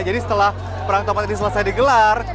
jadi setelah perang topak ini selesai digelar